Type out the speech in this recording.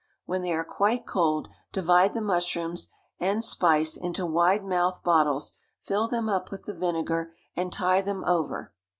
When they are quite cold, divide the mushrooms and spice into wide mouthed bottles, fill them up with the vinegar, and tie them over.